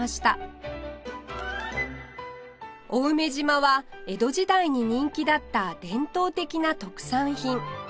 青梅嶋は江戸時代に人気だった伝統的な特産品